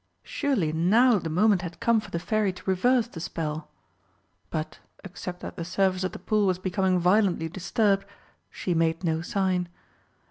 Surely now the moment had come for the Fairy to reverse the spell but, except that the surface of the pool was becoming violently disturbed, she made no sign.